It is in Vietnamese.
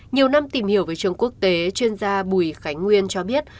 nhiều năm tìm hiểu về trường quốc tế chuyên gia bùi khánh nguyên cho biết